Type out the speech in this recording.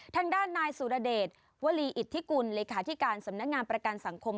ทางด้านนายสุรเดชวลีอิทธิกุลเลขาธิการสำนักงานประกันสังคม